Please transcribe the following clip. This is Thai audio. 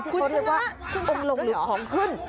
ที่เขาเรียกว่าองค์ลงหรือของขึ้น